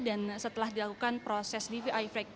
dan setelah dilakukan proses dvi